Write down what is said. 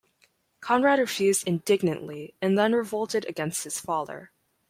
Conrad refused indignantly, and then revolted against his father.